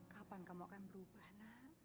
kapan kamu akan berubah